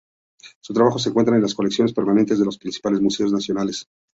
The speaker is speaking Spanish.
Su trabajo se encuentra en las colecciones permanentes de los principales museos nacionales.